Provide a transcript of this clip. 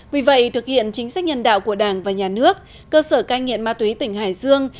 vì vậy thực hiện chính sách nhân đạo của đảng và nhà nước cơ sở cai nghiện ma túy tỉnh hải dương